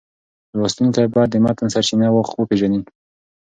لوستونکی باید د متن سرچینه وپېژني.